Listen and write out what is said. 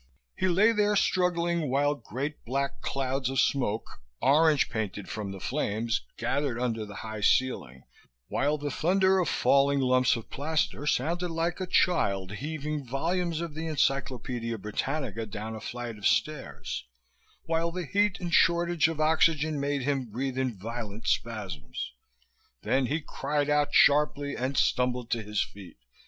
He lay there, struggling, while great black clouds of smoke, orange painted from the flames, gathered under the high ceiling, while the thunder of falling lumps of plaster sounded like a child heaving volumes of the Encyclopedia Britannica down a flight of stairs, while the heat and shortage of oxygen made him breathe in violent spasms. Then he cried out sharply and stumbled to his feet.